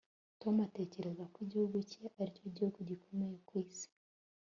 Tom atekereza ko igihugu cye aricyo gihugu gikomeye ku isi